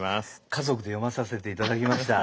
家族で読まさせて頂きました。